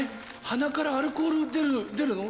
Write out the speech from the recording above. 鼻からアルコール出るの？